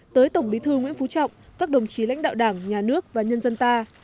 tới tổng bí thư nguyễn phú trọng các đồng chí lãnh đạo đảng nhà nước và nhân dân ta